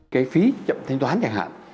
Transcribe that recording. cái phí chậm thanh toán chẳng hạn